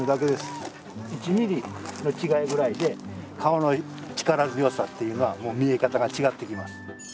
１ミリの違いぐらいで顔の力強さっていうのはもう見え方が違ってきます。